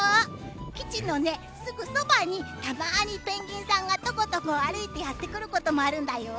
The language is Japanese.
基地のすぐそばにたまにペンギンさんがとことこ歩いてやって来ることもあるんだよ。